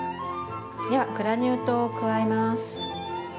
グラニュー糖を加えます。